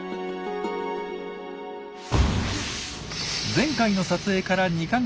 前回の撮影から２か月。